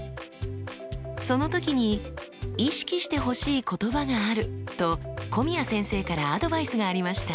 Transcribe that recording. その時に意識してほしい言葉があると古宮先生からアドバイスがありました。